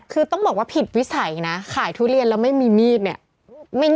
คือต้องบอกว่าผิดวิสัยนะขายทุเรียนแล้วไม่มีมีดเนี่ย